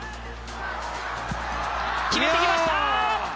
決めてきました！